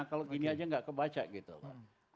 kalau ini saja tidak bisa dibaca